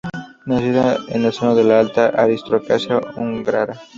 Nacida en el seno de la alta aristocracia húngara.